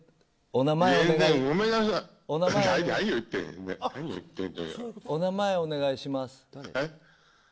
お名前お願いします。